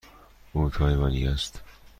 او تایوانی است.